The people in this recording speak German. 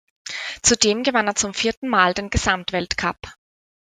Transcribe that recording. Zudem gewann er zum vierten Mal den Gesamtweltcup.